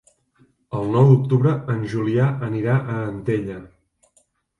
El nou d'octubre en Julià anirà a Antella.